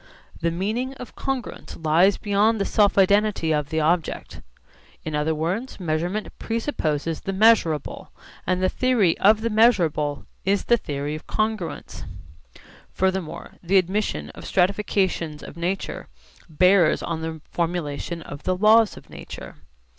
The meaning of congruence lies beyond the self identity of the object. In other words measurement presupposes the measurable, and the theory of the measurable is the theory of congruence. Furthermore the admission of stratifications of nature bears on the formulation of the laws of nature.